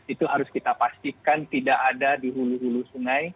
itu harus kita pastikan tidak ada di hulu hulu sungai